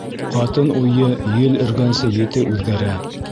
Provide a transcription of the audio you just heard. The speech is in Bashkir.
Ҡатын уйы ел өргәнсе ете үҙгәрә.